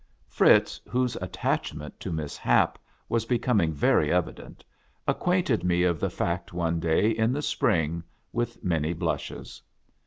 Fritz, whose attachment to Miss Hap was becoming very evident, acquainted me of the fact one day in the spring, with many blushes.